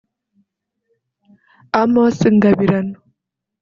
Amos Ngabirano